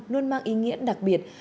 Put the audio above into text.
luôn mang ý nghĩa đặc biệt